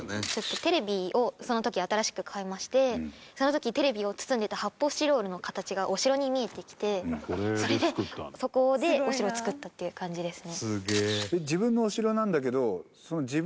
テレビをその時新しく替えましてその時テレビを包んでた発泡スチロールの形がお城に見えてきてそれでそこでお城を作ったっていう感じですね。